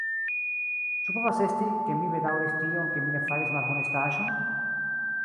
Ĉu povas esti, ke mi bedaŭris tion, ke mi ne faris malhonestaĵon?